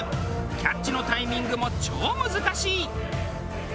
キャッチのタイミングも超難しい。